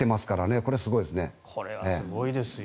これはすごいですよ。